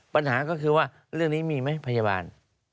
ปัญหาก็คือว่าเรื่องนี้มีไหมพยาบาล